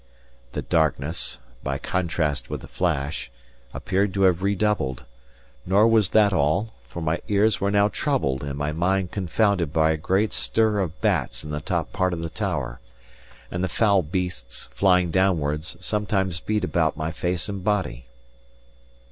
The darkness, by contrast with the flash, appeared to have redoubled; nor was that all, for my ears were now troubled and my mind confounded by a great stir of bats in the top part of the tower, and the foul beasts, flying downwards, sometimes beat about my face and body.